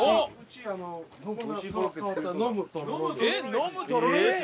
飲むとろろめし？